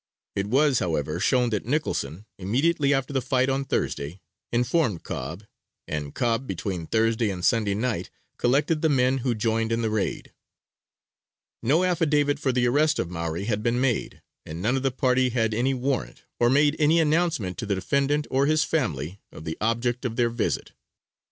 It was, however, shown that Nicholson, immediately after the fight on Thursday, informed Cobb, and Cobb between Thursday and Sunday night collected the men who joined in the raid. No affidavit for the arrest of Maury had been made, and none of the party had any warrant, or made any announcement to the defendant or his family, of the object of their visit.